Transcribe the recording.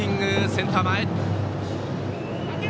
センター前。